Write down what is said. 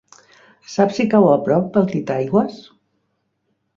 Saps si cau a prop de Titaigües?